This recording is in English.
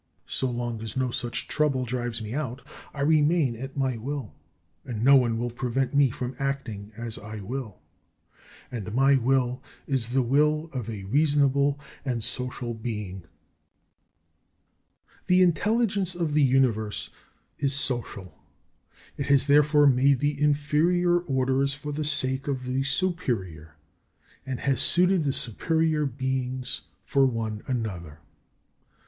So long as no such trouble drives me out, I remain at my will, and no one will prevent me from acting as I will. And my will is the will of a reasonable and social being. 30. The intelligence of the Universe is social. It has therefore made the inferior orders for the sake of the superior; and has suited the superior beings for one another.